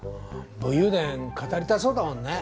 武勇伝語りたそうだもんね。